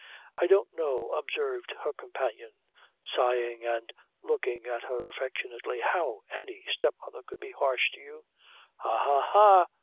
"I don't know," observed her companion, sighing and looking at her affectionately, "how any step mother could be harsh to you." "Ha! ha! ha!